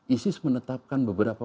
isis menetapkan beberapa